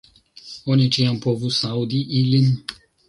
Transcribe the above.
Oni ĉiam povus aŭdi ilin.